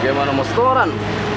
gimana mau keluar